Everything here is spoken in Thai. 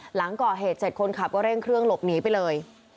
หลังก่อเหตุเสร็จคนขับก็เร่งเครื่องหลบหนีไปเลย